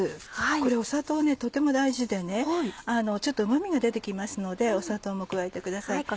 これ砂糖とても大事でちょっとうま味が出て来ますので砂糖も加えてください。